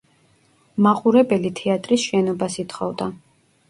მაყურებელი თეატრის შენობას ითხოვდა.